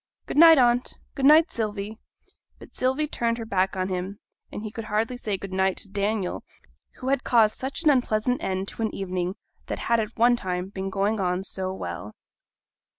'Good night, aunt, good night, Sylvie!' But Sylvia turned her back on him, and he could hardly say 'good night' to Daniel, who had caused such an unpleasant end to an evening that had at one time been going on so well.